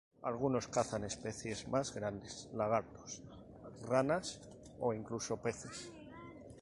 Algunos cazan especies más grandes: lagartos, ranas o incluso peces.